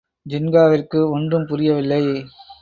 ஜின்காவிற்கு ஒன்றும் புரியவில்லை.